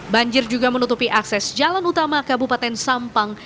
banjir juga menutupi akses jalan utama kabupaten sampang